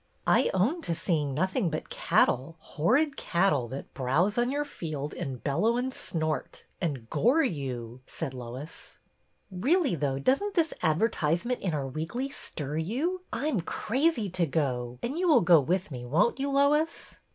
'' I own to seeing nothing but cattle, horrid cattle, that browse on your field and bellow and snort and — gore you," said Lois. Really, though, does n't this advertisement in our weekly stir you ? I'm crazy to go, and you will go with me, won't you, Lois